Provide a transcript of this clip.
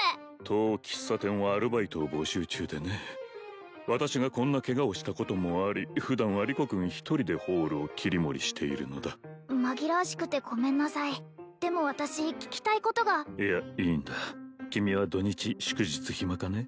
当喫茶店はアルバイトを募集中でね私がこんなケガをしたこともあり普段はリコ君１人でホールを切り盛りしているのだ紛らわしくてごめんなさいでも私聞きたいことがいやいいんだ君は土日祝日暇かね？